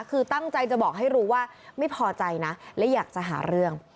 คือตั้งใจจะบอกให้รู้ว่าไม่พอใจนะและอยากจะหาเรื่อง